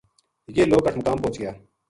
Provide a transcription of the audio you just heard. یہ لوک اٹھمقام پوہچ گیا